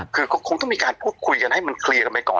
คือก็คงต้องมีการพูดคุยกันให้มันเคลียร์กันไปก่อน